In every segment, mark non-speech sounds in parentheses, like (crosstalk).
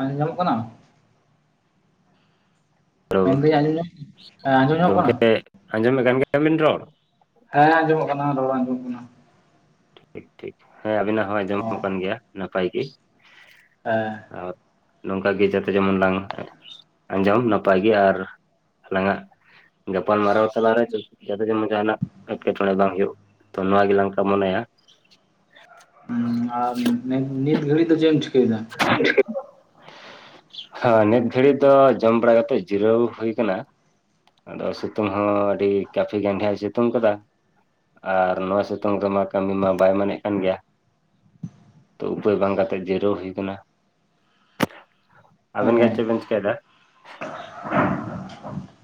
ᱟᱸᱡᱚᱢ ᱧᱟᱢᱚᱜ ᱠᱟᱱᱟ? ᱦᱮᱞᱳ ᱢᱮᱱᱫᱟᱹᱧ ᱟᱸᱡᱚᱢ ᱧᱟᱢ ᱦᱮᱸ ᱟᱸᱡᱚᱢ ᱧᱟᱢᱚᱜ ᱠᱟᱱᱟ ᱜᱚᱢᱠᱮ ᱟᱸᱡᱚᱢᱮᱫ ᱠᱟᱱ ᱜᱮᱵᱤᱱ ᱨᱚ ᱦᱮᱸ ᱟᱸᱡᱚᱢᱚᱜ ᱠᱟᱱᱟ ᱨᱚᱲ ᱵᱟᱝ ᱟᱸᱡᱚᱢᱚᱜ ᱠᱟᱱᱟ ᱴᱷᱤᱠ ᱴᱷᱤᱠ ᱦᱮᱸ ᱟᱵᱤᱱᱟᱜ ᱦᱚᱸ ᱚ ᱟᱸᱡᱚᱢᱚᱜ ᱠᱟᱱ ᱜᱮᱭᱟ ᱱᱟᱯᱟᱭ ᱜᱮ ᱦᱮᱸ ᱟᱨ ᱱᱚᱝᱠᱟ ᱜᱮ ᱡᱟᱛᱮ ᱡᱮᱢᱚᱱ ᱞᱟᱝ (inaudible) ᱟᱸᱡᱚᱢ ᱱᱟᱯᱟᱭ ᱜᱮᱭᱟ ᱟᱨ ᱟᱞᱟᱝ ᱟᱜ ᱜᱟᱯᱟᱞ ᱢᱟᱨᱟᱣ ᱛᱟᱞᱟᱨᱮ ᱡᱟᱛᱮ ᱡᱮᱢᱚᱱ ᱡᱟᱦᱟᱸᱱᱟᱜ ᱮᱴᱠᱮᱴᱚᱬᱮ ᱵᱟᱝ ᱦᱩᱭᱩᱜ, ᱛᱚ ᱱᱚᱣᱟ ᱜᱮᱞᱟᱝ ᱠᱟᱢᱚᱱᱟᱭᱟ ᱦᱩᱸ ᱟᱨ ᱱᱤᱛ ᱱᱤᱛ ᱜᱷᱟᱹᱲᱤᱡ ᱫᱚ ᱪᱮᱫ ᱮᱢ ᱪᱷᱤᱠᱟᱹᱭᱮᱫᱟ ᱦᱮᱸ ᱱᱤᱛ ᱜᱷᱟᱹᱲᱤᱡ ᱫᱚ ᱡᱚᱢ ᱵᱟᱲᱟ ᱠᱟᱛᱮ ᱡᱤᱨᱟᱹᱣ ᱦᱩᱭ ᱟᱠᱟᱱᱟ ᱟᱫᱚ ᱥᱤᱛᱩᱝ ᱦᱚᱸ ᱟᱹᱰᱤ ᱠᱟᱯᱷᱤ ᱜᱟᱱ ᱦᱚᱭ ᱥᱤᱛᱩᱝ ᱟᱠᱟᱫᱟ ᱟᱨ ᱱᱚᱣᱟ ᱥᱤᱛᱩᱝ ᱫᱚᱢᱟ ᱠᱟᱹᱢᱤ ᱢᱟ ᱵᱟᱭ ᱢᱮᱱᱮᱜ ᱠᱟᱱ ᱜᱮᱭᱟ ᱛᱚ ᱩᱯᱟᱹᱭ ᱵᱟᱝ ᱠᱟᱛᱮ ᱡᱤᱨᱟᱹᱣ ᱦᱩᱭ ᱠᱟᱱᱟ ᱚ ᱟᱵᱮᱱ ᱜᱮ ᱪᱮᱫ ᱵᱮᱱ ᱪᱤᱠᱟᱹᱭᱫᱟ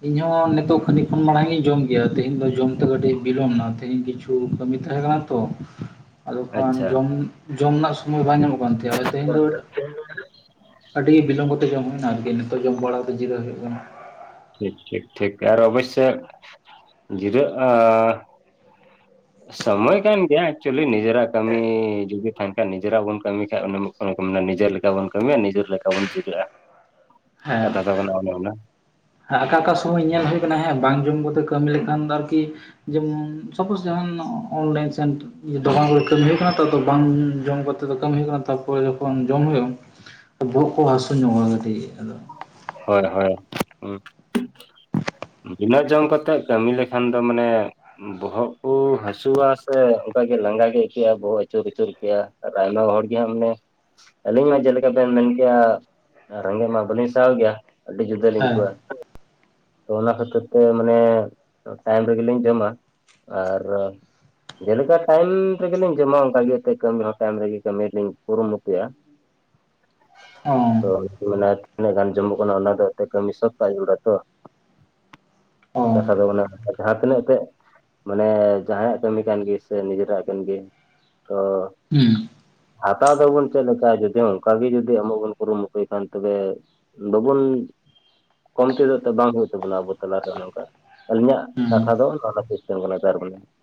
ᱤᱧᱦᱚᱸ ᱱᱤᱛᱚᱜ ᱠᱷᱟᱹᱱᱤᱠ ᱠᱷᱚᱱ ᱢᱟᱲᱟᱝ ᱤᱧ ᱡᱚᱢ ᱜᱮᱭᱟ ᱛᱮᱦᱤᱧ ᱫᱚ ᱡᱚᱢᱛᱮ ᱠᱟᱹᱴᱤᱡ ᱵᱤᱞᱚᱢ ᱮᱱᱟ ᱛᱮᱦᱤᱧ ᱠᱤᱪᱷᱩ ᱠᱷᱩ ᱠᱟᱹᱢᱤ ᱛᱟᱦᱮᱸ ᱠᱟᱱᱟ ᱛᱚ ᱟᱫᱚ ᱠᱷᱟᱱ ᱟᱪᱪᱷᱟ ᱡᱚᱢ ᱱᱟᱜ ᱥᱚᱢᱚᱭ ᱵᱟᱝ ᱧᱟᱢᱚᱜ ᱠᱟᱱ ᱛᱮᱦᱮᱫ ᱟᱫᱚ ᱛᱮᱦᱮᱧ ᱫᱚ ᱟᱹᱰᱤ ᱵᱤᱞᱚᱢ ᱠᱟᱛᱮ ᱡᱚᱢ ᱦᱩᱭ ᱮᱱᱟ ᱟᱨᱠᱤ ᱱᱤᱛᱚᱜ ᱡᱚᱢ ᱠᱟᱛᱮ ᱡᱤᱨᱟᱹ ᱦᱩᱭᱩᱜ ᱠᱟᱱᱟ ᱟᱨᱠᱤ᱾ ᱴᱷᱤᱠ ᱴᱷᱤᱠ ᱴᱷᱤᱠ ᱟᱨ ᱚᱵᱚᱥᱚᱭ ᱡᱤᱨᱟᱹᱜ ᱟᱻᱜ (unintelligible) ᱥᱚᱢᱚᱭ ᱠᱟᱱ ᱜᱮᱭᱟ ᱮᱠᱪᱩᱭᱮᱞᱤ ᱱᱤᱡᱮᱨᱟᱜ ᱠᱟᱹᱢᱤ ᱡᱫᱤ ᱛᱟᱦᱮᱱ ᱠᱷᱟᱱ ᱱᱤᱡᱮᱨᱟᱜ ᱵᱚᱱ ᱠᱟᱹᱢᱤ ᱠᱷᱟᱱᱡ ᱚᱱᱟ ᱠᱚ ᱢᱮᱱᱟ ᱱᱤᱡᱮᱨ ᱞᱮᱠᱟ ᱵᱚᱱ ᱠᱟᱹᱢᱤᱭᱟ ᱱᱤᱡᱮᱨ ᱞᱮᱠᱟ ᱵᱚᱱ ᱡᱤᱨᱟᱹᱜᱼᱟ, ᱦᱮᱸ ᱠᱟᱛᱷᱟ ᱫᱚ ᱠᱟᱱᱟ ᱚᱱᱮ ᱚᱱᱟ, ᱚᱠᱟ ᱚᱠᱟ ᱥᱚᱢᱚᱭ ᱧᱮᱞ ᱦᱩᱭ ᱠᱟᱱᱟ ᱦᱮᱸ ᱵᱟᱝ ᱡᱚᱢ ᱠᱚᱛᱮ ᱠᱟᱹᱢᱤ ᱞᱮᱠᱷᱟᱱ ᱫᱚ ᱟᱨᱠᱤ ᱡᱮᱢᱚᱱ ᱥᱟᱯᱳᱡ ᱡᱟᱦᱟᱱ ᱚᱱᱞᱟᱭᱤᱱ ᱥᱮᱱᱴᱼᱼ ᱫᱚᱠᱟᱱ ᱠᱚᱨᱮ ᱠᱟᱹᱢᱤ ᱦᱩᱭᱩᱜ ᱠᱟᱱᱟ ᱛᱚ ᱵᱟᱝ ᱡᱚᱢ ᱠᱟᱛᱮᱜ ᱠᱟᱹᱢᱤ ᱦᱳ ᱠᱟᱱᱟ ᱛᱟᱯᱚᱨᱮ ᱡᱚᱠᱷᱚᱱ ᱡᱚᱢ ᱦᱳᱭᱼᱟ, ᱵᱚᱦᱚᱜ ᱠᱚ ᱦᱟᱹᱥᱩ ᱧᱚᱜᱼᱟ ᱠᱟᱴᱤᱡ ᱟᱫᱚ ᱦᱳᱭ ᱦᱳᱭ ᱦ (inaudible) ᱤᱱᱟᱹ ᱡᱚᱢ ᱠᱟᱛᱮᱜ ᱠᱟᱹᱢᱤ ᱞᱮᱠᱷᱟᱱ ᱫᱚ ᱢᱟᱱᱮ ᱵᱚᱦᱚᱜ ᱠᱩ ᱦᱟᱹᱥᱩᱣᱟ ᱥᱮ ᱚᱱᱠᱟᱜᱤ ᱞᱟᱸᱜᱟ ᱜᱮ ᱟᱹᱭᱠᱟᱹᱜᱼᱟ ᱵᱚᱦᱚᱜ ᱟᱹᱪᱩᱨ ᱟᱹᱪᱩᱨ ᱛᱮᱭᱟᱜ ᱟᱨ ᱟᱭᱢᱟ ᱦᱚᱲ ᱜᱮ ᱦᱟᱸ ᱢᱟᱱᱮ ᱟᱹᱞᱤᱧ ᱢᱟ ᱡᱮᱞᱮᱠᱟ ᱵᱮᱱ ᱢᱮᱱ ᱠᱮᱭᱟ ᱨᱮᱜᱮᱡ ᱢᱟ ᱵᱟᱹᱞᱤᱧᱼᱼ ᱠᱟᱣ ᱜᱮᱭᱟ ᱟᱹᱰᱤ ᱡᱩᱫᱟᱹ ᱞᱤᱧ ᱦᱮᱸ ᱟᱭᱠᱟᱹᱣᱟ ᱛᱚ ᱚᱱᱟ ᱠᱷᱟᱹᱛᱤᱨ ᱛᱮ ᱢᱟᱱᱮ ᱴᱟᱭᱤᱢ ᱨᱮᱜᱮᱞᱤᱧ ᱡᱚᱢᱟ ᱟᱨ ᱡᱮᱞᱮᱠᱟ ᱴᱟᱭᱤᱢ ᱨᱮᱜᱮᱞᱤᱧ ᱡᱚᱢᱟ ᱚᱱᱠᱟᱜ ᱜᱮ ᱮᱱᱛᱮᱫ ᱠᱟᱹᱢᱤ ᱦᱚᱸ ᱴᱟᱭᱤᱢ ᱨᱮᱜᱮ ᱠᱟᱹᱢᱤ ᱞᱤᱧ ᱠᱩᱨᱩᱢᱩᱴᱩᱼᱭᱟ ᱚ (inaudible) ᱛᱤᱱᱟᱹᱜ ᱜᱟᱱ ᱡᱚᱱᱢᱚᱜ ᱠᱟᱱᱟ ᱚᱱᱟ ᱫᱚ ᱮᱱᱛᱮ ᱠᱟᱹᱢᱤ ᱥᱟᱵ ᱠᱟᱜ ᱡᱟᱹᱨᱩᱲᱟ ᱛᱚ ᱚ ᱠᱟᱛᱷᱟ ᱫᱚ ᱚᱱᱟ (inaudible) ᱡᱟᱦᱟᱸ ᱛᱤᱱᱟᱹᱜᱮ ᱢᱟᱱᱮ ᱡᱟᱦᱟᱸᱭᱟᱜ ᱠᱟᱹᱢᱤ ᱠᱟᱱ ᱜᱮ ᱥᱮ ᱱᱤᱡᱮᱨᱟᱜ ᱠᱟᱱ ᱜᱮ ᱛᱚᱻ ᱦᱩᱸ ᱦᱟᱛᱟᱣ ᱫᱚᱵᱚᱱ ᱪᱮᱫ ᱞᱮᱠᱟ ᱡᱩᱫᱤ ᱚᱱᱠᱟᱜ ᱜᱮ ᱡᱩᱚᱫᱤ ᱮᱢᱚᱜ ᱵᱚᱱ ᱠᱩᱨᱩ ᱢᱩᱴᱩᱭ ᱠᱷᱟᱱ ᱛᱚᱵᱮ, ᱵᱟᱵᱚᱱ ᱠᱚᱢ (inaudible) ᱵᱟᱝ ᱦᱩᱭᱩᱜ ᱛᱟᱵᱚᱱᱟ ᱟᱵᱚ ᱛᱟᱞᱟᱨᱮ ᱚᱱᱮ ᱚᱱᱠᱟ ᱟᱹᱞᱤᱧᱟᱜ ᱦᱩᱸ ᱠᱟᱛᱷᱟ ᱫᱚ (inaudible)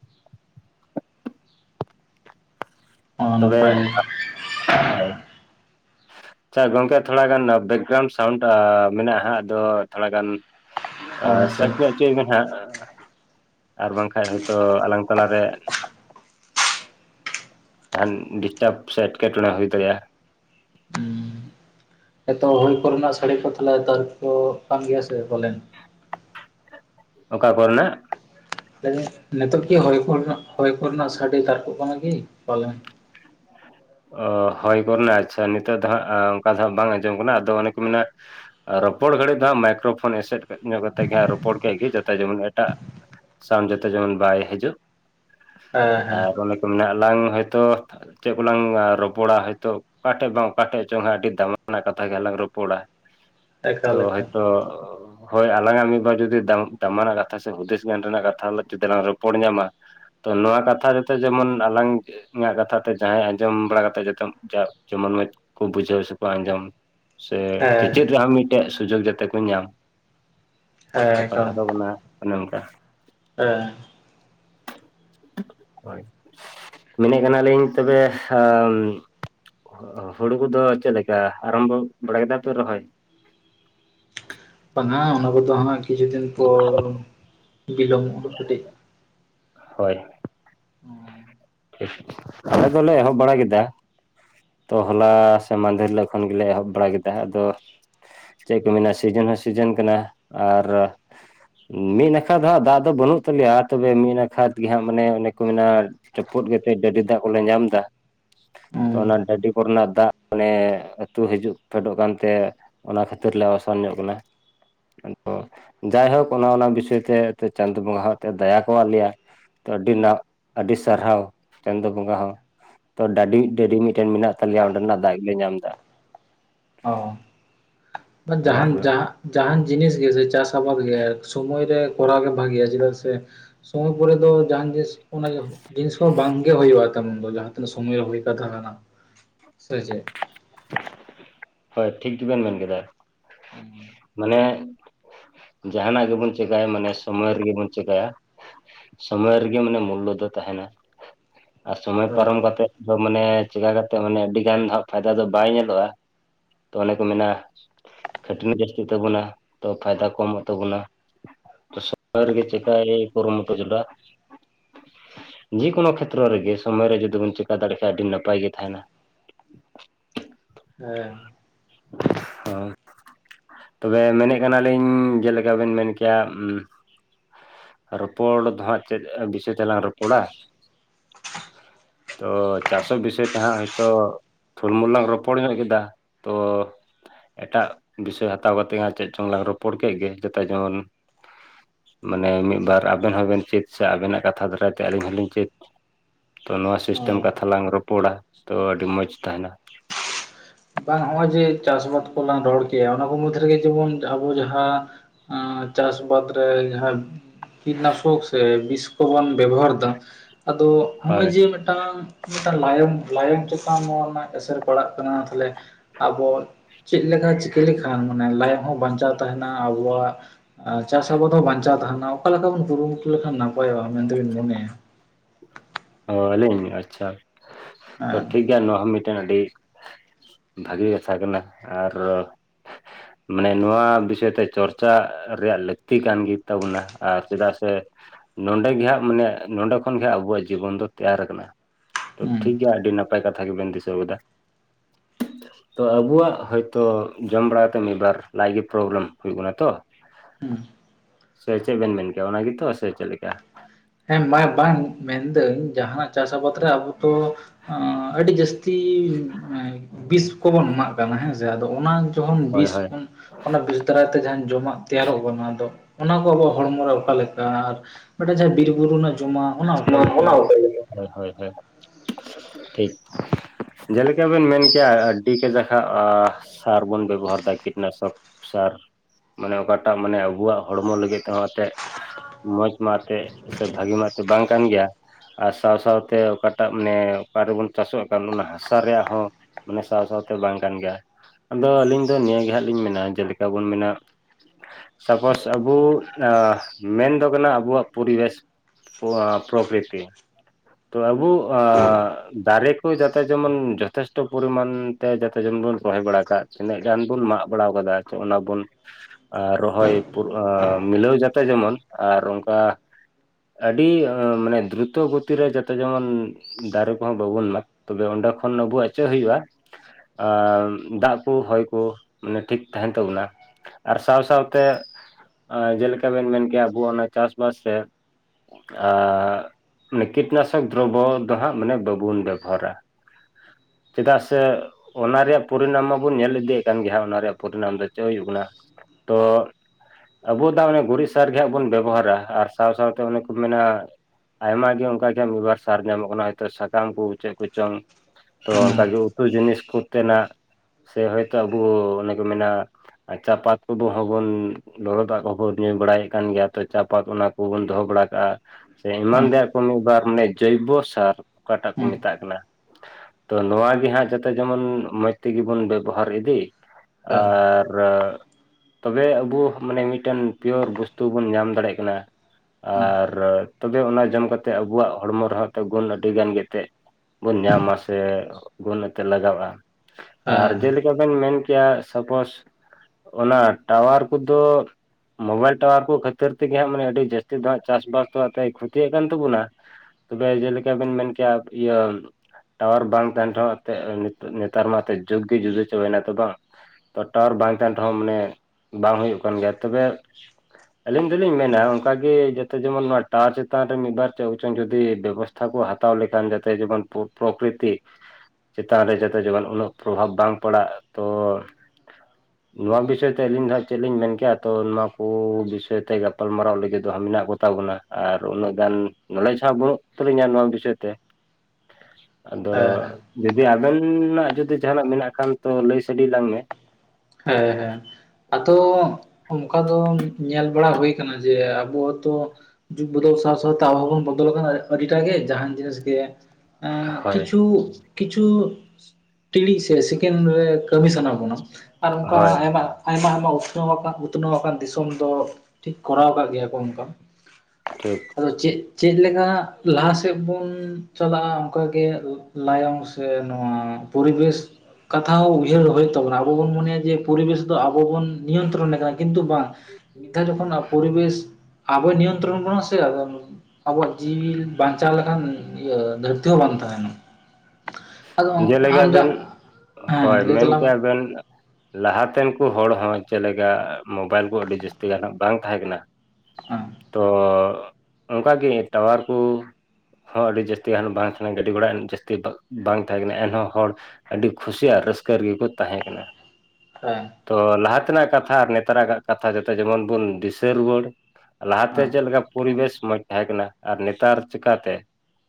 ᱚᱱᱟ ᱛᱚᱵᱮ ᱯᱨᱟᱭ (inaudible) (unintelligible) ᱟᱪᱪᱷᱟ ᱜᱚᱝᱠᱮ ᱛᱷᱚᱲᱟ ᱜᱟᱱ ᱵᱮᱠᱜᱨᱟᱣᱩᱱᱰ ᱥᱟᱣᱩᱱᱰ ᱢᱮᱱᱟᱜᱼᱟ ᱟᱫᱚ ᱛᱷᱚᱲᱟᱟᱜᱟᱱ, (inaudible) ᱚ ᱟᱪᱪᱷᱟ ᱥᱮᱯ ᱧᱚᱜ ᱦᱚᱪᱚᱭ ᱵᱮᱱ ᱦᱟᱸᱜ ᱟᱨ ᱵᱟᱝᱠᱷᱟᱱ ᱦᱳᱭᱛᱳ ᱟᱞᱟᱝ ᱛᱟᱞᱟᱨᱮ ᱟᱱ ᱰᱤᱥᱴᱟᱵ ᱥᱮ ᱮᱴᱠᱮᱴᱚᱬᱮ ᱦᱩᱭ ᱫᱟᱲᱮᱭᱟᱜ ᱦᱩᱸ ᱮᱛᱚ ᱦᱩᱭ ᱠᱚᱨᱮᱱᱟᱜ ᱥᱟᱹᱲᱤ ᱠᱚ ᱛᱟᱦᱚᱞᱮ ᱛᱟᱨᱠᱚ ᱠᱟᱱ ᱜᱮᱭᱟ ᱥᱮ ᱵᱚᱞᱮᱱ ᱚᱠᱟ ᱠᱚᱨᱮᱱᱟᱜ ᱮ ᱱᱤᱛᱚᱜ ᱠᱤ ᱦᱚᱭ ᱠᱩ ᱦᱚᱭ ᱠᱚᱨᱮᱱᱟᱜ ᱥᱟᱰᱮ ᱛᱟᱨᱠᱚᱜ ᱠᱟᱱᱟ ᱠᱤ ᱯᱟᱞᱮᱱ ᱚ ᱦᱚᱭ ᱠᱚᱨᱮᱱᱟᱜ ᱟᱪᱷᱟ ᱱᱤᱛᱚᱜ ᱫᱚ ᱦᱜ ᱚᱱᱠᱟ ᱫᱚ ᱦᱜ ᱵᱟᱝ ᱟᱸᱡᱚᱢ ᱠᱟᱱᱟ ᱟᱫᱚ ᱚᱱᱮ ᱠᱚ ᱢᱮ ᱨᱚᱯᱚᱲ ᱜᱷᱟᱹᱲᱤᱡ ᱫᱚ ᱦᱟᱸᱜ ᱢᱟᱭᱠᱨᱳ ᱯᱷᱳᱱ ᱮᱥᱮᱫ ᱧᱚᱜ ᱠᱟᱛᱮᱜ ᱜᱮᱟᱸᱜ ᱨᱚᱯᱚᱲ ᱠᱮᱫ ᱜᱮ ᱡᱚᱛᱚ ᱡᱮᱢᱚᱱ ᱮᱴᱟᱜ ᱥᱟᱢᱡᱟ ᱛᱮ ᱡᱮᱢᱚᱱ ᱵᱟᱭ ᱦᱤᱡᱩᱜ ᱦᱮᱸ ᱦᱮᱸ ᱟᱨ ᱚᱱᱮ ᱠᱚ ᱢᱮᱱᱟᱜᱼᱟ ᱟᱞᱟᱝ ᱦᱚᱭᱛᱚ ᱪᱮᱫ ᱠᱚᱞᱟᱝ ᱨᱚᱯᱚᱲᱟ ᱦᱚᱳᱭᱛᱳ ᱚᱠᱟᱴᱷᱮᱡ ᱵᱟᱝ ᱚᱠᱟᱴᱷᱮᱡ ᱪᱚᱝ ᱦ ᱟᱹᱰᱤ ᱫᱟᱢᱟᱱᱟ ᱠᱟᱛᱷᱟ ᱜᱮᱞᱟᱝ ᱨᱚᱯᱚᱲᱟ ᱛᱚ ᱮᱠᱟᱞ ᱦᱚᱭ ᱮᱠᱟᱞ ᱛᱚ ᱦᱳᱭ ᱟᱞᱟᱝᱟᱜ ᱢᱤᱫ ᱵᱟᱨ ᱡᱩᱫᱤ ᱫᱟᱢᱟᱱᱟᱜ ᱠᱟᱛᱷᱟ ᱥᱮ ᱦᱩᱫᱤᱥ ᱜᱟᱱ ᱨᱮᱱᱟᱜ ᱠᱟᱛᱷᱟ ᱡᱩᱫᱤ ᱞᱟᱝ ᱨᱚᱯᱚᱲ ᱧᱟᱢᱟ ᱛᱚ ᱱᱚᱶᱟ ᱠᱟᱛᱷᱟ ᱡᱚᱛᱚ ᱡᱮᱢᱚᱱ ᱟᱞᱟᱝᱟᱜ ᱠᱟᱛᱷᱟ ᱛᱮ ᱡᱟᱦᱟᱸᱭ ᱟᱸᱡᱚᱢ ᱵᱟᱲᱟ ᱠᱟᱛᱮᱫ ᱡᱚᱛᱚ ᱡᱟ ᱡᱮᱢᱚᱱ ᱢᱚᱸᱡᱽ ᱠᱚ ᱵᱩᱡᱷᱟᱹᱣ ᱥᱮᱠᱚ ᱟᱸᱡᱚᱢ ᱥᱮ ᱪᱮᱫ ᱦᱮᱸ ᱪᱮᱫᱽ ᱨᱮᱭᱟᱜ ᱦᱚᱸ ᱢᱤᱫ ᱴᱮᱱ ᱥᱩᱡᱳᱜᱽ ᱡᱚᱛᱮ ᱠᱚ ᱧᱟᱢ ᱦᱮᱸ ᱛᱚ ᱠᱟᱛᱷᱟ ᱫᱚ ᱠᱟᱱᱟ ᱚᱱᱮ ᱚᱱᱠᱟ ᱟᱧ (inaudible) ᱦᱳᱭ ᱢᱮᱱᱮᱫ ᱠᱟᱱᱟᱞᱤᱧ ᱛᱚᱵᱮ ᱦᱟᱱ ᱚ ᱦᱩᱲᱩ ᱠᱚᱫᱚ ᱪᱮᱫ ᱞᱮᱠᱟ ᱟᱨᱟᱢᱵᱚ ᱵᱟᱲᱟ ᱠᱮᱫᱟ ᱯᱮ ᱨᱚᱦᱚᱭ? ᱵᱟᱝᱟ ᱚᱱᱟ ᱠᱚᱫᱚ ᱦᱟᱸᱜ ᱠᱤᱪᱷᱩ ᱫᱤᱱ ᱯᱚᱨ ᱵᱤᱞᱚᱢᱚᱜᱼᱟ ᱠᱟᱹᱴᱤᱡ ᱦᱳᱭ ᱟᱞ ᱫᱚᱞᱮ ᱮᱦᱵ ᱵᱲᱟ ᱜᱮᱫᱟ ᱛᱚ ᱦᱚᱞᱟ ᱥᱮ ᱢᱟᱦᱫᱷᱮᱨ ᱦᱤᱞᱚᱜ ᱠᱷᱚᱱ ᱜᱮᱞᱮ ᱮᱦᱚᱵ ᱵᱟᱲᱟ ᱠᱮᱫᱟ ᱟᱫᱚ ᱪᱮᱫ ᱠᱚ ᱢᱮᱱᱟ ᱥᱤᱡᱮᱱ ᱦᱚᱸ ᱥᱤᱡᱮᱱ ᱠᱟᱱᱟ? ᱟᱨ ᱢᱤᱫ ᱱᱟᱠᱷᱟ ᱫᱚᱦᱟᱸᱜ ᱫᱟᱜ ᱫᱚ ᱵᱟᱹᱱᱩᱜ ᱛᱟᱞᱮᱭᱟ ᱛᱚᱵᱮ ᱢᱤᱫ ᱱᱟᱠᱷᱟ ᱛᱮᱜᱮ ᱦᱟᱸᱜ ᱢᱟᱱᱮ ᱚᱱᱮ ᱠᱚ ᱢᱮᱱᱟ ᱡᱟᱹᱯᱩᱫ ᱠᱟᱛᱮᱜ ᱰᱟᱹᱰᱤ ᱫᱟᱜ ᱠᱚᱞᱮ ᱧᱟᱢ ᱮᱫᱟ ᱛᱚ ᱚᱱᱟ ᱰᱟᱹᱰᱤ ᱠᱚᱨᱮᱱᱟᱜ ᱫᱟᱜ ᱢᱟᱱᱮ ᱟᱹᱛᱩ ᱦᱤᱡᱩᱜ ᱯᱷᱮᱰᱚᱜ ᱠᱟᱱ ᱛᱮ ᱚᱱᱟ ᱠᱷᱟᱹᱛᱤᱨ ᱞᱮ ᱚᱥᱟᱱ ᱧᱚᱜ ᱠᱟᱱᱟ᱾ ᱟᱫᱚ ᱡᱟᱭᱦᱳᱠ ᱚᱱᱟ ᱚᱱᱟ ᱵᱤᱥᱚᱭ ᱮᱱᱛᱮ ᱪᱟᱸᱫ ᱵᱚᱸᱜᱟ ᱦᱚᱸ ᱮᱱᱛᱮ ᱫᱟᱭᱟ ᱠᱟᱣᱟ ᱞᱮᱭᱟ ᱛᱚ ᱟᱹᱰᱤ ᱱᱟᱜ ᱟᱹᱰᱤ ᱥᱤᱫ ᱥᱟᱨᱦᱟᱣ ᱪᱟᱸᱫᱚ ᱵᱚᱸᱜᱟ ᱦᱚᱸ ᱛᱚ ᱰᱟᱹᱰᱤ ᱰᱟᱹᱰᱤ ᱢᱤᱫᱴᱮᱱ ᱢᱮᱱᱟᱜ ᱛᱟᱞᱮᱭᱟ ᱚᱸᱰᱮᱱᱟᱜ ᱫᱟᱜ ᱜᱮᱞᱮ ᱧᱟᱢ ᱮᱫᱟ ᱚᱧ ᱟᱨ ᱡᱟᱦᱟᱱ ᱡᱟᱦᱟᱱ ᱡᱤᱱᱤᱥ ᱜᱮᱥᱮ ᱪᱟᱥ ᱟᱵᱟᱫ ᱜᱮ ᱥᱚᱢᱚᱭ ᱨᱮ ᱠᱚᱨᱟᱣ ᱜᱮ ᱵᱷᱟᱜᱮᱭᱟ ᱪᱮᱫᱟᱜ ᱥᱮ ᱥᱚᱢᱚᱭ ᱠᱚᱨᱮ ᱫᱚ ᱡᱟᱦᱟᱱ ᱡᱤᱱᱤᱥ ᱚᱱᱟ ᱡᱤᱱᱤᱥ ᱦᱚᱸ ᱵᱟᱝ ᱜᱮ ᱦᱩᱭᱩᱜᱼᱟ ᱡᱟᱦᱟᱸ ᱛᱤᱱᱟᱹᱜ ᱥᱚᱢᱚᱭ ᱨᱮ ᱦᱳ ᱠᱟᱛᱷᱟ ᱠᱟᱱᱟ᱾ ᱥᱮ ᱪᱮᱫ? ᱦᱳᱭ ᱴᱷᱤᱠ ᱜᱮᱵᱮᱱ ᱢᱮᱱ ᱠᱮᱫᱟ ᱢᱟᱱᱮ ᱡᱟᱦᱟᱱᱟᱜ ᱜᱮᱵᱚᱱ ᱪᱮᱠᱟᱭᱟᱟ ᱢᱟᱱᱮ ᱥᱚᱢᱚᱭ ᱨᱮᱜᱮ ᱵᱚᱱ ᱪᱮᱠᱟᱹᱭᱟ᱾ ᱥᱚᱢᱚᱭ ᱨᱮᱜᱮ ᱢᱟᱱᱮ ᱢᱩᱞᱩᱻᱭ ᱫᱚ ᱛᱟᱦᱮᱱᱟ᱾ ᱟᱨ ᱥᱚᱢᱚᱭ ᱯᱟᱨᱚᱢ ᱠᱟᱛᱮᱫ ᱫᱚ ᱢᱟᱱᱮ ᱪᱮᱠᱟ ᱠᱟᱛᱮ ᱢᱟᱱᱮ ᱟᱹᱰᱤ ᱜᱟᱱ ᱯᱷᱟᱭᱫᱟ ᱪᱮᱛᱟᱜ ᱫᱚ ᱵᱟᱭ ᱧᱮᱞᱚᱜᱼᱟ ᱛᱚ ᱚᱱᱮ ᱠᱚ ᱢᱮᱱᱟ ᱠᱷᱟᱹᱴᱟᱹᱱᱤ ᱡᱟᱹᱥᱛᱤᱜ ᱛᱟᱵᱚᱱᱟ ᱛᱚ ᱯᱷᱟᱭᱫᱟ ᱠᱚᱢᱚᱜ ᱛᱟᱵᱚᱱᱟ ᱚ ᱥᱚᱦᱟᱨ ᱜᱮ ᱪᱮᱠᱟ ᱜᱮ ᱠᱩᱨᱩᱢᱩᱴᱩ ᱡᱩᱰᱟ ᱡᱮ ᱠᱚᱱᱚ ᱠᱷᱮᱛᱨᱚ ᱨᱮᱜᱮ ᱥᱚᱢᱚᱭ ᱨᱮ ᱡᱩᱫᱤ ᱵᱚᱱ ᱪᱮᱠᱟ ᱫᱟᱲᱮᱭᱟᱜ ᱠᱷᱟᱱᱡ ᱟᱹᱰᱤ ᱱᱟᱯᱟᱭ ᱜᱮ ᱛᱟᱦᱮᱱᱟ ᱦᱮᱸ (inaudible) ᱛᱚᱵᱮ ᱢᱮᱱᱮᱫ ᱠᱟᱱᱟᱞᱤᱧ ᱡᱮᱞᱮᱠᱟ ᱵᱮᱱ ᱢᱮᱱ ᱠᱮᱭᱟ-ᱟ ᱩᱸ ᱨᱚᱯᱚᱲ ᱫᱚ ᱦᱟᱸᱜ ᱪᱮᱫ ᱵᱤᱥᱚᱭ ᱛᱮᱞᱟᱝ ᱨᱚᱯᱚᱲᱟ? ᱛᱚ ᱪᱟᱥᱚ ᱵᱤᱥᱚᱭ ᱛᱮ ᱦᱟᱸᱜ ᱦᱚᱳᱭᱛᱳ ᱛᱷᱩᱞᱢᱩᱞ ᱞᱟᱝ ᱨᱚᱯᱚᱲ ᱧᱚᱜ ᱠᱮᱫᱟ ᱛᱚ ᱮᱴᱟᱜ ᱵᱤᱥᱚᱭ ᱦᱟᱛᱟᱣ ᱠᱟᱛᱮ ᱪᱮᱫ ᱪᱚᱝ ᱞᱟᱝ ᱨᱚᱯᱚᱲ ᱠᱮᱫ ᱜᱮ ᱡᱟᱛᱮ ᱡᱮᱢᱚᱱ? ᱢᱟᱱᱮ ᱢᱤᱫ ᱵᱟᱨ ᱟᱵᱮᱱ ᱦᱚᱸᱵᱮᱱ ᱪᱮᱫ ᱥᱮ ᱟᱵᱮ ᱱᱟᱜ ᱠᱟᱛᱷᱟ ᱫᱟᱨᱟᱭ ᱛᱮ ᱟᱹᱞᱤᱧ ᱦᱚᱸᱞᱤᱧ ᱪᱮᱫ ᱛᱚ ᱱᱚᱶᱟ ᱥᱤᱥᱴᱮᱢ ᱚ ᱠᱟᱛᱷᱟ ᱞᱟᱝ ᱨᱚᱯᱚᱲᱟ ᱛᱚ ᱟᱹᱰᱤ ᱢᱚᱸᱡᱽ ᱛᱟᱦᱮᱱᱟ᱾ ᱵᱟᱝ ᱱᱚᱜᱼᱚᱭ ᱡᱮ ᱪᱟᱥᱵᱟᱫ ᱠᱚᱞᱟᱟᱝ ᱨᱚᱲ ᱠᱮᱜᱭᱟ ᱚᱱᱟ ᱠᱚ ᱢᱩᱚᱫᱽᱫᱷ ᱨᱮᱜᱮ ᱡᱮᱢᱚᱱ ᱟᱵᱚ ᱡᱟᱦᱟᱸ ᱟᱸ ᱪᱟᱥ ᱵᱟᱫᱽ ᱨᱮ ᱡᱟᱦᱟᱸ ᱠᱤᱴᱱᱟᱥᱚᱠ ᱥᱮ ᱵᱤᱥ ᱠᱚ ᱵᱚᱱ ᱵᱮᱵᱚᱦᱟᱨ ᱮᱫᱟ ᱟᱫᱚ ᱦᱚᱸᱜᱼᱚᱭ ᱦᱳᱭ ᱡᱮ ᱢᱤᱫᱴᱟᱝ ᱢᱤᱫᱴᱟᱱ ᱞᱟᱭᱚᱝ ᱞᱟᱭᱚᱝ ᱪᱮᱛᱟᱱ ᱱᱚᱣᱟ ᱨᱮᱱᱟᱜ ᱮᱥᱮᱨ ᱯᱟᱲᱟᱜ ᱠᱟᱱᱟ ᱛᱟᱞᱦᱮ ᱟᱵᱚ ᱪᱮᱫ ᱞᱮᱠᱟ ᱪᱤᱠᱟᱹ ᱞᱮᱠᱷᱟᱱ ᱢᱟᱱᱮ ᱞᱟᱡ ᱦᱚᱸ ᱵᱟᱧᱪᱟᱣ ᱛᱟᱦᱮᱱᱟ ᱟᱵᱚᱣᱟᱜ ᱟᱨ ᱪᱟᱥ ᱟᱵᱟᱫ ᱦᱚᱸ ᱵᱟᱧᱪᱟᱣ ᱛᱟᱦᱮᱱᱟ ᱚᱠᱟ ᱞᱮᱠᱟ ᱵᱚᱱ ᱠᱩᱨᱩᱢᱩᱴᱩ ᱞᱮᱠᱷᱟᱱ ᱱᱟᱯᱟᱭᱚᱜᱼᱟ ᱢᱮᱱᱛᱮᱵᱤᱱ ᱢᱚᱱᱮᱭᱟ ᱚ ᱟᱹᱞᱤᱧ ᱟᱪᱪᱷᱟ ᱛᱚ ᱦᱮᱸ ᱴᱷᱤᱠᱜᱮᱭᱟ ᱱᱚᱣᱟ ᱦᱚᱸ ᱢᱤᱫᱴᱮᱱ ᱟᱹᱰᱤ ᱵᱷᱟᱜᱤ ᱠᱟᱛᱷᱟ ᱠᱟᱱᱟ ᱟᱨ ᱢᱟᱱᱮ ᱱᱚᱣᱟ ᱵᱤᱥᱚᱭ ᱛᱮ ᱪᱚᱨᱪᱟ ᱨᱮᱭᱟᱜ ᱞᱟᱹᱠᱛᱤ ᱠᱟᱱ ᱜᱮᱛᱟᱵᱚᱱᱟ ᱟᱨ ᱪᱮᱫᱟᱜ ᱥᱮ ᱱᱚᱰᱮ ᱜᱮ ᱦᱟᱸᱜ ᱢᱟᱱᱮ ᱱᱚᱰᱮ ᱠᱷᱚᱱ ᱜᱮᱟᱸᱜ ᱟᱵᱚᱣᱟᱜ ᱡᱩ ᱡᱤᱵᱚᱱ ᱫᱚ ᱛᱮᱭᱟᱨ ᱟᱠᱟᱱᱟ ᱛᱚ ᱦᱩᱸ ᱴᱷᱤᱠ ᱜᱮᱭᱟ ᱟᱹᱰᱤ ᱱᱟᱯᱟᱭ ᱠᱟᱛᱷᱟ ᱜᱮᱵᱮᱱ ᱫᱤᱥᱟᱹᱣ ᱠᱟᱫᱟ ᱛᱚ ᱟᱵᱚᱣᱟᱜ ᱦᱳᱭᱛᱳ ᱡᱚᱢ ᱵᱟᱲᱟ ᱠᱟᱛᱮ ᱢᱤᱫᱵᱟᱨ ᱞᱟᱡ ᱜᱮ ᱯᱨᱚᱵᱞᱮᱢ ᱦᱩᱭᱩᱜ ᱠᱟᱱᱟ ᱛᱚ ᱦᱩᱸ ᱥᱮ ᱪᱮᱫ ᱵᱮᱱ ᱢᱮᱱ ᱠᱮᱭᱟ ᱜᱮᱛᱚ ᱥᱮ ᱪᱮᱫ ᱞᱮᱠᱟ ᱦᱮᱸ ᱢᱟ ᱵᱟᱝ ᱢᱮᱱᱫᱟᱹᱧ ᱡᱟᱸᱦᱟᱱᱟᱜ ᱪᱟᱥ ᱟᱵᱟᱫ ᱨᱮ ᱟᱵᱚ ᱛᱚ ᱟᱹᱰᱤ ᱡᱟᱹᱥᱛᱤ ᱵᱤᱥ ᱠᱚᱵᱚᱱ ᱮᱢᱟᱜ ᱠᱟᱱᱟ ᱦᱮᱸᱥᱮ ᱟᱫᱚ ᱚᱱᱟ ᱡᱚᱠᱷᱚᱱ ᱦᱳᱭ ᱵᱤᱥ ᱦᱳᱭ ᱵᱚᱱ ᱚᱱᱟ ᱵᱤᱥ ᱫᱟᱨᱟᱭ ᱛᱮ ᱡᱟᱸᱦᱟᱱ ᱡᱚᱢᱟᱜ ᱛᱮᱭᱟᱨᱚᱜ ᱠᱟᱱᱟ ᱟᱫᱚ ᱚᱱᱟ ᱠᱚ ᱟᱵᱚᱣᱟᱜ ᱦᱚᱲᱢᱚ ᱨᱮ ᱚᱠᱟ ᱞᱮᱠᱟ ᱟᱨ ᱢᱤᱫᱴᱮᱡ ᱡᱟᱦᱟᱸ ᱵᱤᱨ ᱵᱩᱨᱩ ᱨᱮᱱᱟᱜ ᱡᱚᱢᱟᱜ ᱚᱱᱟ ᱚᱠᱟᱞᱮᱠᱟ ᱦᱳᱭ ᱦᱳᱭ ᱦᱚᱭ ᱴᱷᱤᱠ ᱡᱮᱞᱮᱠᱟ ᱵᱮᱱ ᱢᱮᱱ ᱠᱮᱭᱟ ᱟᱹᱰᱤ ᱠᱟᱡᱟᱠᱷᱟᱜ ᱥᱟᱨ ᱵᱚᱱ ᱵᱮᱵᱚᱦᱟᱨ ᱮᱫᱟ ᱠᱤᱴᱱᱟᱥᱚᱠ ᱥᱟᱨ ᱢᱟᱱᱮ ᱚᱠᱟᱴᱟᱜ ᱢᱟᱱᱮ ᱟᱵᱚᱣᱟᱜ ᱦᱚᱲᱢᱚ ᱞᱟᱹᱜᱤᱫ ᱛᱮᱦᱚᱸ ᱮᱱᱛᱮᱫ ᱢᱚᱡᱽ ᱚᱱᱟᱛᱮ ᱥᱮ ᱵᱷᱟᱜᱤ ᱢᱟᱛᱚ ᱵᱟᱝ ᱠᱟᱱ ᱜᱮᱭᱟ ᱟᱨ ᱥᱟᱶ ᱥᱟᱶᱛᱮ ᱚᱠᱟᱴᱟᱜ ᱢᱟᱱᱮ ᱚᱠᱟᱨᱮᱵᱚᱱ ᱪᱟᱥᱚᱜ ᱠᱟᱱ ᱚᱱᱟ ᱦᱟᱥᱟ ᱨᱮᱭᱟᱜ ᱦᱚᱸ ᱢᱟᱱᱮ ᱥᱟᱶ ᱥᱟᱶᱛᱮ ᱵᱟᱝ ᱠᱟᱱ ᱜᱮᱭᱟ ᱟᱫᱚ ᱟᱹᱞᱤᱧ ᱫᱚ ᱱᱤᱭᱟᱹᱟᱹᱜᱮ ᱦᱟᱸᱜ ᱞᱤᱧ ᱢᱮᱱᱟ ᱡᱮᱞᱮᱠᱟ ᱵᱚᱱ ᱢᱮᱱᱟ ᱥᱟᱯᱳᱥ ᱟᱵᱚ ᱮᱸᱻ ᱢᱮᱱ ᱫᱚ ᱠᱟᱱᱟ ᱟᱵᱚᱣᱟᱜ ᱯᱚᱨᱤᱵᱮᱥ ᱟᱸᱻ ᱯᱨᱚᱠᱨᱤᱛᱤ ᱛᱚ ᱟᱵᱩ ᱮᱸᱻ ᱫᱟᱨᱮ ᱠᱚ ᱡᱟᱛᱮ ᱡᱮᱢᱚᱱ ᱡᱚᱛᱷᱮᱥᱴᱚ ᱯᱚᱨᱤᱢᱟᱱ ᱛᱮ ᱡᱚᱛᱚ ᱡᱚᱱ ᱵᱚᱱ ᱨᱚᱦᱚᱭ ᱵᱟᱲᱟ ᱠᱟᱜ ᱛᱤᱱᱟᱹᱜ ᱜᱟᱱ ᱵᱚᱱ ᱢᱟᱜ ᱵᱟᱲᱟ ᱠᱟᱫᱟ ᱟᱨᱠᱤ ᱚᱱᱟ ᱵᱚᱱ ᱟᱨ ᱨᱚᱦᱚᱭ ᱢᱤᱞᱟᱹᱣ ᱡᱟᱛᱮ ᱡᱮᱢᱚᱱ ᱟᱨ ᱚᱝᱠᱟ ᱟᱹᱰᱤ ᱢᱟᱱᱮ ᱫᱨᱩᱛᱚ ᱜᱚᱛᱤᱨᱮ ᱡᱚᱛᱚ ᱡᱮᱢᱚᱱ ᱫᱟᱨᱮ ᱠᱚᱦᱚᱸ ᱵᱟᱵᱚᱱ ᱢᱟᱜᱽ, ᱛᱚᱵᱮ ᱚᱸᱰᱮ ᱠᱷᱚᱱ ᱟᱵᱚ ᱚᱪᱚᱜ ᱦᱩᱭᱩᱜᱼᱟ ᱟᱸᱻ ᱫᱟᱜ ᱠᱚ ᱦᱚᱭ ᱠᱚ ᱢᱟᱱᱮ ᱴᱷᱤᱠ ᱛᱟᱸᱦᱮᱱ ᱛᱟᱵᱚᱱᱟ ᱟᱨ ᱥᱟᱶ ᱥᱟᱶᱛᱮ ᱮᱸ ᱡᱮᱞᱮᱠᱟ ᱵᱮᱱ ᱢᱮᱱ ᱠᱮᱭᱟ ᱟᱵᱚᱣᱟᱜ ᱚᱱᱟ ᱪᱟᱥᱵᱟᱥ ᱨᱮ ᱟᱸᱻ ᱢᱟᱱᱮ ᱠᱤᱴᱱᱟᱥᱚᱠ ᱫᱨᱚᱵᱚ ᱫᱚ ᱦᱟᱸᱜ ᱢᱟᱱᱮ ᱵᱟᱵᱚᱱ ᱵᱮᱵᱚᱦᱟᱨᱟ ᱪᱮᱫᱟᱜ ᱥᱮ ᱚᱱᱟ ᱨᱮᱭᱟᱜ ᱯᱚᱨᱤᱱᱟᱢ ᱢᱟᱵᱚᱱ ᱧᱮᱞ ᱤᱫᱤᱭᱮᱫ ᱠᱟᱱ ᱜᱮᱦᱟᱸᱜ ᱚᱱᱟ ᱨᱮᱭᱟᱜ ᱯᱚᱨᱤᱱᱟᱢ ᱫᱚ ᱪᱮᱫ ᱦᱩᱭᱩᱜ ᱠᱟᱱᱟ ᱛᱚ ᱟᱵᱚ ᱫᱚ ᱚᱱᱮ ᱜᱩᱨᱤᱡ ᱥᱟᱨ ᱜᱮ ᱦᱟᱸᱜ ᱵᱚᱱ ᱵᱮᱵᱚᱦᱟᱨᱟ ᱟᱨ ᱥᱟᱶ ᱥᱟᱶᱛᱮ ᱚᱱᱮ ᱠᱚ ᱢᱮᱱᱟ ᱟᱭᱢᱟ ᱜᱮ ᱚᱝᱠᱟ ᱜᱮ ᱢᱤᱫᱵᱟᱨ ᱥᱟᱨ ᱧᱟᱢᱚᱜ ᱠᱟᱱᱟ ᱦᱳᱭᱛᱚ ᱥᱟᱠᱟᱢ ᱠᱚ ᱪᱮᱫ ᱠᱚᱪᱚᱝ ᱛᱚ ᱦᱮᱸ ᱚᱝᱠᱟᱜᱮ ᱩᱛᱩ ᱡᱤᱱᱤᱥ ᱠᱚᱛᱮᱱᱟᱜ ᱥᱮ ᱦᱚᱳᱭᱛᱳ ᱟᱵᱚ ᱚᱱᱮ ᱠᱚ ᱢᱮᱱᱟ ᱟᱨ ᱪᱟᱯᱟᱫ ᱠᱚᱫᱚ ᱦᱚᱸᱵᱚᱱ ᱞᱚᱞᱚᱫᱟᱜ ᱠᱚᱵᱚᱱ ᱧᱩᱭ ᱵᱟᱲᱟᱭᱮᱫ ᱠᱟᱱ ᱜᱮᱭᱟ ᱛᱚ ᱪᱟᱯᱟ ᱟᱯᱟᱛ ᱩᱱᱟ ᱠᱩᱵᱚᱱ ᱫᱚᱦᱚ ᱵᱟᱲᱟ ᱠᱟᱜ-ᱟ ᱥᱮ ᱤᱢᱟᱱ ᱦᱮᱸ ᱛᱮᱭᱟᱜ ᱠᱚ ᱢᱤᱫ ᱵᱟᱨ ᱢᱟᱱᱮ ᱡᱟᱹᱭᱵᱚ ᱥᱟᱨ᱾ ᱚᱠᱟᱴᱟᱜ ᱠᱚ ᱦᱮᱸ ᱢᱤᱛᱟᱜ ᱠᱟᱱᱟ? ᱛᱚ ᱱᱚᱣᱟ ᱜᱮᱦᱟᱸᱜ ᱡᱟᱛᱮ ᱡᱮᱢᱚᱱ ᱢᱚᱡᱽ ᱛᱮᱜᱮ ᱵᱚᱱ ᱵᱮᱵᱚᱦᱟᱨ ᱤᱫᱤ ᱦᱮᱸ ᱟᱨ ᱛᱚᱵᱮ ᱟᱵᱚ ᱢᱟᱱᱮ ᱢᱤᱫᱴᱮᱱ ᱯᱤᱭᱳᱨ ᱵᱚᱥᱛᱩ ᱵᱚᱱ ᱧᱟᱢ ᱫᱟᱲᱮᱭᱟᱜ ᱠᱟᱱᱟ ᱟᱨ ᱛᱚᱵᱮ ᱚᱱᱟ ᱡᱚᱢ ᱠᱟᱛᱮᱫ ᱟᱵᱚᱣᱟᱜ ᱦᱚᱲᱢᱚ ᱨᱮᱦᱚᱸ ᱛᱚ ᱜᱩᱱ ᱟᱹᱰᱤ ᱜᱟᱱ ᱜᱮᱛᱮᱜ ᱵᱚᱱ ᱧᱟᱢᱟ ᱥᱮ ᱜᱩᱱ ᱮᱱᱛᱮᱫ ᱞᱟᱜᱟᱣᱼᱟ ᱦᱮᱸ ᱟᱨ ᱦᱮᱸ ᱦᱮᱸ ᱡᱮᱞᱮᱠᱟ ᱵᱮᱱ ᱢᱮᱱ ᱠᱮᱭᱟ ᱥᱟᱯᱳᱥ ᱚᱱᱟ ᱴᱟᱣᱟᱨ ᱠᱚᱫᱚ ᱢᱳᱵᱟᱭᱤᱞ ᱴᱟᱣᱟᱨ ᱠᱚ ᱠᱷᱟᱹᱛᱤᱨ ᱛᱮᱜᱮ ᱦᱟᱸᱜ ᱢᱟᱱᱮ ᱟᱹᱰᱤ ᱡᱟᱹᱥᱛᱤ ᱫᱚ ᱦᱟᱸᱜ ᱪᱟᱥᱵᱟᱥ ᱛᱟᱞᱟ ᱛᱮᱭ ᱠᱷᱩᱛᱤᱭᱮᱜ ᱠᱟᱱ ᱛᱟᱵᱚᱱᱟ ᱛᱚᱵᱮ ᱡᱮᱞᱮᱠᱟ ᱵᱮᱱ ᱢᱮᱱ ᱠᱮᱭᱟ ᱤᱭᱟᱹ ᱴᱟᱣᱟᱨ ᱵᱟᱝ ᱛᱟᱦᱮᱱ ᱨᱮᱦᱚᱸ ᱮᱱᱛᱮᱜ ᱮᱸ ᱱᱮᱛ ᱮᱛᱟᱨ ᱢᱟ ᱮᱸᱛᱮᱜ ᱡᱩᱜᱽ ᱜᱮ ᱡᱩᱫᱟᱹ ᱪᱟᱵᱟᱭ ᱱᱟ ᱛᱚ ᱵᱟᱝ᱾ ᱛᱚ ᱴᱟᱣᱟᱨ ᱵᱟᱝ ᱛᱟᱦᱮᱱ ᱨᱮᱦᱚᱸ ᱢᱟᱱᱮ ᱵᱟᱝ ᱦᱩᱭᱩᱜ ᱠᱟᱱ ᱜᱮᱭᱟ᱾ ᱛᱚᱵᱮ ᱪᱮᱜ ᱞᱤᱧ ᱢᱮᱱᱟ ᱚᱱᱠᱟ ᱜᱮ ᱡᱟᱛᱮ ᱡᱮᱢᱚᱱ ᱱᱚᱣᱟ ᱴᱟᱣᱟᱨ ᱪᱮᱛᱟᱱ ᱨᱮ ᱢᱤᱫ ᱵᱟᱨ ᱪᱟᱹᱣ ᱪᱚᱝ ᱡᱩᱫᱤ ᱵᱮᱵᱚᱥ ᱛᱷᱟ ᱠᱚ ᱦᱟᱛᱟᱣ ᱞᱮᱠᱷᱟᱱ ᱡᱟᱛᱮ ᱡᱮᱢᱚᱱ ᱯᱨᱚ ᱯᱨᱚᱠᱨᱤᱛᱤ ᱪᱮᱛᱟᱱ ᱨᱮ ᱡᱟᱛᱮ ᱡᱮᱢᱚᱱ ᱩᱱᱟᱹᱜ ᱯᱨᱚᱵᱷᱟᱵᱽ ᱵᱟᱝ ᱯᱟᱲᱟᱜ ᱛᱚ ᱱᱚᱶᱟ ᱵᱤᱥᱚᱭ ᱛᱮ ᱟᱹᱞᱤᱧ ᱫᱚᱜ ᱪᱮᱫ ᱞᱤᱧ ᱢᱮᱱ ᱠᱮᱭᱟ ᱛᱚ ᱱᱚᱣᱟ ᱠᱩ ᱵᱤᱥᱮᱛ ᱛᱮ ᱜᱟᱯᱟᱞ ᱢᱟᱨᱟᱣ ᱞᱟᱹᱜᱤᱫ ᱫᱚ ᱦᱟᱸᱜ ᱢᱮᱱᱟᱜ ᱠᱚ ᱛᱟᱵᱚᱱᱟ᱾ ᱟᱨ ᱩᱱᱟᱹᱜ ᱜᱟᱱ ᱱᱚᱞᱮᱡᱽ ᱦᱚᱸ ᱵᱟᱹᱱᱩᱜ ᱛᱟᱹᱞᱤᱧᱟ ᱱᱚᱣᱟ ᱵᱤᱥᱚᱭ ᱛᱮ᱾ (inaudible) ᱟᱫᱚ ᱦᱮᱸ ᱡᱩᱫᱤ ᱟᱵᱮᱱ ᱱᱟᱜ ᱡᱩᱫᱤ ᱡᱟᱦᱟᱸ ᱱᱟᱜ ᱢᱮᱱᱟᱜ ᱠᱷᱟᱱ ᱛᱚ ᱞᱟᱹᱭ ᱥᱟᱹᱰᱤᱭ ᱞᱟᱝ ᱢᱮ? ᱦᱮᱸ ᱦᱮᱸ ᱟᱫᱚ ᱚᱱᱠᱟ ᱫᱚᱢ ᱧᱮᱞ ᱵᱟᱲᱟ ᱦᱩᱭ ᱠᱟᱱᱟ ᱡᱮ ᱟᱵᱚᱣᱟᱜ ᱛᱚ ᱡᱩᱜᱽ ᱵᱚᱫᱚᱞ ᱥᱟᱶ ᱥᱟᱶᱛᱮ ᱟᱵᱚ ᱦᱚᱸ ᱵᱚᱱ ᱵᱚᱫᱚᱞ ᱟᱠᱟᱱᱟ ᱟᱹᱰᱤ ᱴᱟᱜ ᱜᱮ ᱡᱟᱦᱟᱸᱱ ᱡᱤᱱᱤᱥ ᱜᱮ ᱮᱸᱻ ᱦᱳᱭ ᱠᱤᱪᱷᱩᱜ ᱠᱤᱪᱷᱩᱜ ᱴᱤᱲᱤᱡ ᱥᱮ ᱥᱤᱠᱮᱱ ᱨᱮ ᱠᱟᱹᱢᱤ ᱥᱟᱱᱟ ᱵᱚᱱᱟ᱾ ᱟᱨ ᱚᱱᱠᱟ ᱦᱳᱭ ᱟᱭᱢᱟ ᱟᱭᱢᱟ ᱟᱭᱢᱟ ᱩᱛᱱᱟᱹᱣ ᱟᱠᱟᱱ ᱩᱛᱱᱟᱹᱣ ᱟᱠᱟᱱ ᱫᱤᱥᱚᱢ ᱫᱚ ᱴᱷᱤᱠ ᱠᱚᱨᱟᱣ ᱠᱟᱜ ᱜᱮᱭᱟ ᱠᱚ ᱚᱱᱠᱟ, ᱴᱷᱤᱠ ᱟᱫᱚ ᱪᱮᱫ ᱪᱮᱫ ᱞᱮᱠᱟ ᱞᱟᱦᱟ ᱥᱮᱫ ᱵᱚᱱ ᱪᱟᱞᱟᱜ-ᱟ ᱚᱱᱠᱟ ᱜᱮ ᱞᱟ ᱞᱟᱭᱚᱝ ᱥᱮ ᱱᱚᱣᱟ ᱯᱚᱨᱤᱵᱮᱥ ᱠᱟᱛᱷᱟ ᱦᱚᱸ ᱩᱭᱦᱟᱹᱨ ᱦᱩᱭᱩᱜ ᱛᱟᱵᱚᱱᱟ᱾ ᱟᱵᱚ ᱵᱚᱱ ᱢᱚᱱᱮ ᱭᱟ ᱡᱮ ᱯᱚᱨᱤᱵᱮᱥ ᱫᱚ ᱟᱵᱚ ᱵᱚᱱ ᱱᱤᱭᱚᱱᱛᱨᱚᱱ ᱱᱮᱜ ᱠᱟᱱᱟ ᱠᱤᱱᱛᱩ ᱵᱟᱝ ᱢᱤᱫ ᱫᱷᱟᱣ ᱡᱚᱠᱷᱚᱱ ᱯᱚᱨᱤᱵᱮᱥ ᱟᱵᱚᱭ ᱱᱤᱭᱚᱱᱛᱨᱚᱱ ᱵᱚᱱᱟ ᱥᱮ᱾ ᱟᱫᱚ ᱟᱵᱚᱣᱟᱜ ᱡᱤᱣᱤ ᱵᱟᱧᱪᱟᱣ ᱞᱮᱠᱟᱱ ᱤᱭᱟᱹ ᱫᱷᱟᱹᱨᱛᱤ ᱦᱚᱸ ᱵᱟᱝ ᱛᱟᱦᱮᱱᱟ᱾ ᱟᱫᱚ ᱡᱮᱞᱮᱠᱟ ᱟᱢ ᱡᱟ ᱵᱮᱱ ᱦᱮᱸ ᱦᱚᱭ ᱞᱟᱹᱭ ᱢᱮᱱ ᱛᱟᱞᱟᱝ ᱠᱮᱭᱟ ᱵᱮᱱ ᱞᱟᱦᱟ ᱛᱮᱱ ᱠᱩ ᱦᱚᱲ ᱦᱚᱸ ᱪᱮᱫ ᱞᱮᱠᱟ ᱢᱳᱵᱟᱭᱤᱞ ᱠᱚ ᱟᱹᱰᱤ ᱡᱟᱹᱥᱛᱤ ᱜᱟᱱ ᱦᱚᱸ ᱵᱟᱝ ᱛᱟᱦᱮᱸ ᱠᱟᱱᱟ᱾ ᱢᱮ ᱛᱚ ᱚᱱᱠᱟ ᱜᱮ ᱴᱟᱣᱟᱨ ᱠᱩ ᱦᱚᱸ ᱟᱹᱰᱤ ᱡᱟᱹᱥᱛᱤ ᱜᱟᱱ ᱵᱟᱝ ᱛᱟᱦᱮᱸ ᱠᱟᱱᱟ ᱜᱟᱹᱰᱤ ᱜᱷᱚᱲᱟ ᱤᱱᱟᱹᱜ ᱡᱟᱹᱥᱛᱤ ᱵᱟᱜ ᱵᱟᱝ ᱛᱟᱦᱮᱸ ᱠᱟᱱᱟ ᱮᱱᱦᱚᱸ ᱦᱚᱲ ᱟᱹᱰᱤ ᱠᱷᱩᱥᱤ ᱟᱨ ᱨᱟᱹᱥᱠᱟᱹ ᱨᱮᱜᱮ ᱠᱚ ᱛᱟᱦᱮᱸ ᱠᱟᱱᱟ᱾ ᱦᱮᱸ᱾ ᱛᱚ ᱞᱟᱦᱟ ᱛᱮᱱᱟᱜ ᱠᱟᱛᱷᱟ ᱟᱨ ᱱᱮᱛᱟᱨᱟᱜ ᱠᱟᱛᱷᱟ ᱡᱟᱛᱮ ᱡᱮᱢᱚᱱ ᱵᱩᱱ ᱫᱤᱥᱟᱹ ᱨᱩᱣᱟᱹᱲ᱾ ᱞᱟᱦᱟ ᱛᱮ ᱦᱮᱸ ᱪᱮᱫ ᱞᱮᱠᱟ ᱯᱚᱨᱤᱵᱮᱥ ᱢᱚᱸᱪ ᱛᱟᱦᱮᱸ ᱠᱟᱱᱟ᱾ ᱟᱨ ᱱᱮᱛᱟᱨ ᱪᱤᱠᱟ ᱛᱮ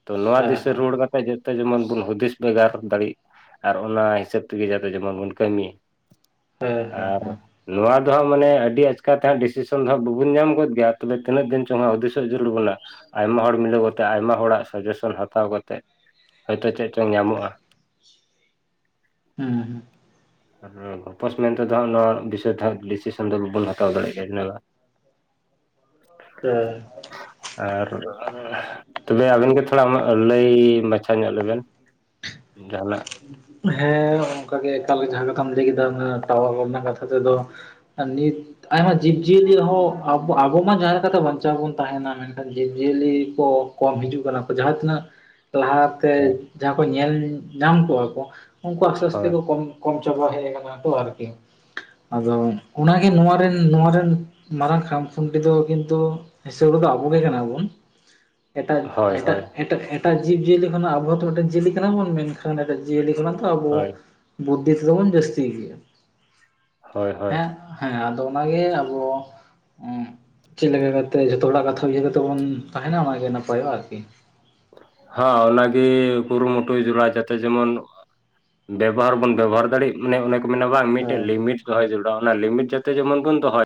ᱛᱚ ᱦᱮᱸ ᱦᱮᱸ ᱱᱚᱣᱟ ᱫᱤᱥᱟᱹ ᱦᱮᱸ ᱨᱩᱣᱟᱹᱲ ᱠᱟᱛᱮᱜ ᱡᱚᱛᱚ ᱡᱮᱢᱚᱱ ᱵᱚᱱ ᱦᱩᱫᱤᱥ ᱵᱮᱜᱟᱨ ᱫᱟᱲᱤᱜ, ᱟᱨ ᱚᱱᱟ ᱦᱤᱥᱟᱹᱵᱽ ᱛᱤᱜᱤ ᱡᱟᱛᱮ ᱡᱮᱢᱚᱱ ᱵᱚᱱ ᱠᱟᱹᱢᱤ᱾ ᱦᱮᱸ ᱦᱮᱸ ᱟᱨ ᱱᱩᱣᱟ ᱫᱚ ᱦᱟᱸᱜ ᱢᱟᱱᱮ ᱟᱹᱰᱤ ᱟᱪᱠᱟ ᱛᱮᱦᱟᱸᱜ ᱰᱤᱥᱤᱥᱚᱱ ᱫᱚ ᱦᱟᱸᱜ ᱵᱟᱹᱵᱩᱱ ᱧᱟᱢ ᱜᱚᱫ ᱜᱮᱭᱟ᱾ ᱛᱚᱵᱮ ᱛᱤᱱᱟᱹᱜ ᱫᱤᱱ ᱪᱚ ᱦᱟᱸᱜ ᱦᱩᱫᱤᱥᱚᱜ ᱡᱟᱹᱨᱩᱲ ᱵᱩᱱᱟ᱾ ᱟᱭᱢᱟ ᱦᱚᱲ ᱢᱤᱞᱟᱹᱣ ᱠᱟᱛᱮᱜ, ᱟᱭᱢᱟ ᱦᱚᱲᱟᱜ ᱥᱟᱡᱮᱥᱚᱱ ᱦᱟᱛᱟᱣ ᱠᱟᱛᱮᱜ᱾ ᱦᱳᱭ ᱛᱚ ᱪᱮᱫ ᱪᱚᱝ ᱧᱟᱢᱚᱜ-ᱟ᱾ ᱦᱩᱸ ᱦᱩᱸ᱾ ᱟᱨ ᱜᱚᱯᱚᱥ ᱢᱮᱱ ᱛᱮᱫᱚ ᱦᱟᱸᱜ ᱱᱚᱣᱟ ᱵᱤᱥᱚᱭ ᱛᱮ ᱦᱟᱸᱜ ᱰᱤᱥᱤᱥᱚᱱ ᱫᱚ ᱵᱟᱹᱵᱩᱱ ᱦᱟᱛᱟᱣ ᱫᱟᱲᱮᱭᱟᱜ ᱜᱮᱭᱟ᱾ ᱪᱮᱫᱟᱜ ᱵᱟᱝ (unintelligible) ᱮᱸ᱾ ᱟᱨ (unintelligible) ᱛᱚᱵᱮ ᱟᱵᱮᱱ ᱜᱮ ᱛᱷᱚᱲᱟ ᱟᱢᱟᱜ ᱞᱟᱹᱭ ᱢᱟᱪᱷᱟ ᱠᱟᱛᱷᱟ ᱧᱚᱜ ᱞᱮᱵᱮᱱ ᱡᱟᱦᱟᱱᱟᱜ ᱦᱮᱸ ᱚᱱᱠᱟᱜᱮ ᱮᱠᱟᱞ ᱡᱟᱦᱟᱸ ᱠᱟᱛᱷᱟᱢ ᱞᱟᱹᱭ ᱠᱮᱫᱟ ᱚᱱᱟ ᱴᱣᱟ ᱠᱚ ᱨᱮᱱᱟᱜ ᱠᱟᱛᱷᱟ ᱛᱮᱫᱚ ᱟᱨ ᱱᱤᱛ ᱤᱛ ᱟᱭ ᱦᱚᱸ ᱡᱤᱵᱽᱼᱡᱤᱭᱟᱹᱞᱤ ᱦᱚᱸ ᱟᱵᱚ ᱟᱵᱚ ᱢᱟ ᱡᱟᱦᱟᱸ ᱞᱮᱠᱟ ᱛᱮ ᱵᱟᱧᱪᱟᱣ ᱵᱚᱱ ᱛᱟᱦᱮᱱᱟ ᱢᱮᱱᱠᱷᱟᱱ ᱡᱤᱵᱽᱼᱡᱤᱭᱟᱹᱞᱤ ᱠᱚ᱾ ᱠᱚᱢ ᱦᱤᱡᱩᱜ ᱠᱟᱱᱟ ᱠᱚ ᱡᱟᱦᱟᱸ ᱛᱤᱱᱟᱹᱜ, ᱞᱟᱦᱟᱛᱮ ᱥᱮ ᱦᱳᱭ ᱡᱟᱦᱟᱸ ᱠᱚ ᱧᱮᱞ ᱧᱟᱢ ᱠᱚᱣᱟ ᱠᱚ᱾ ᱩᱱᱠᱩ ᱟᱥᱛᱮ ᱟᱥᱛᱮ ᱦᱳᱭ ᱠᱩ ᱠᱚᱢ ᱠᱚᱢ ᱪᱵᱟᱟ ᱦᱮᱡ‌ ᱠᱟᱱᱟ ᱠᱚ ᱟᱨ ᱠᱤ᱾ ᱟᱫᱚ ᱚᱱᱟ ᱜᱮ ᱱᱚᱣᱟ ᱨᱮᱱ ᱱᱚᱣᱟ ᱨᱮᱱ ᱢᱟᱨᱟᱝ ᱠᱷᱟᱢ ᱠᱷᱩᱱᱴᱤ ᱫᱚ ᱠᱤᱱᱛᱩ ᱦᱤᱥᱟᱹ ᱠᱩᱫᱚ ᱟᱵᱚ ᱜᱮ ᱠᱟᱱᱟ ᱵᱚᱱ᱾ ᱮᱴᱟᱜ ᱦᱳᱭ ᱮᱴᱟᱜ ᱦᱳᱭ ᱮᱴᱟᱜ ᱮᱴᱟᱜ ᱡᱤᱵᱽᱼᱡᱤᱭᱟᱹᱞᱤ ᱠᱷᱚᱱᱟᱜ ᱟᱵᱚ ᱦᱚᱸ ᱛᱚ ᱢᱤᱫᱴᱟᱝ ᱡᱤᱭᱟᱹᱞᱤ ᱠᱟᱱᱟ ᱵᱚᱱ ᱢᱮ ᱠᱷᱟᱱ ᱮᱴᱟᱜ ᱡᱤᱭᱟᱹᱞᱤ ᱠᱷᱚᱱᱟᱜ ᱛᱚ ᱟᱵᱚ ᱦᱳᱭ ᱵᱩᱫᱽᱫᱷᱤ ᱛᱮᱫᱚ ᱵᱚᱱ ᱡᱟᱹᱥᱛᱤ ᱜᱮᱭᱟ᱾ ᱦᱳᱭ ᱦᱮᱸ ᱦᱮᱸ ᱟᱫᱚ ᱚᱱᱟᱜᱮ ᱟᱵᱚ ᱪᱮᱫ ᱞᱮᱠᱟ ᱠᱟᱛᱮ ᱡᱷᱚᱛᱚ ᱦᱚᱲᱟᱜ ᱠᱟᱛᱷᱟ ᱤᱭᱟᱹ ᱠᱟᱛᱮᱫ ᱵᱚᱱ ᱛᱟᱦᱮᱱᱟ ᱚᱱᱟᱜᱮ ᱱᱟᱯᱟᱭᱚᱜᱼᱟ ᱟᱨᱠᱤ ᱦᱟᱸ ᱚᱱᱟᱜᱮ ᱠᱩᱨᱩᱢᱩᱴᱩᱭ ᱡᱚᱨᱟ ᱡᱟᱛᱮ ᱡᱮᱢᱚᱱ ᱵᱮᱵᱚᱦᱟᱨ ᱵᱚᱱ ᱵᱮᱵᱚᱦᱟᱨ ᱫᱟᱲᱮᱭᱟᱜ ᱢᱟᱱᱮ ᱚᱱᱮ ᱠᱚ ᱢᱮᱱᱟ ᱵᱟᱝ ᱢᱤᱫᱴᱮᱡ ᱦᱮᱸ ᱞᱤᱢᱤᱴ ᱫᱚᱦᱚᱭ ᱡᱟᱹᱨᱩᱲᱲᱟ ᱚᱱᱟ ᱞᱤᱢᱤᱴ ᱡᱟᱛᱮ ᱡᱮᱢᱚᱱ ᱵᱚᱱ ᱫᱚᱦᱚᱭ